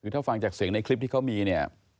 คือถ้าฟังจากเสียงในคลิปที่เขามีเนี่ย